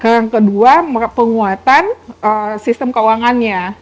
yang kedua penguatan sistem keuangannya